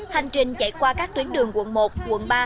hành trình chạy qua các tuyến đường quận một quận ba